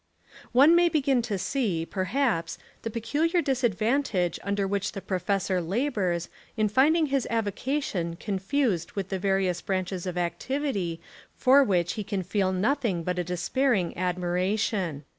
One may begin to see, perhaps, the peculiar disadvantage under which the professor la bours in finding his avocation confused with the various branches of activity for which he can feel nothing but a despairing admiration.